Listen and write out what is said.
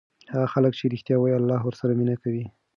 هغه خلک چې ریښتیا وایي الله ورسره مینه کوي.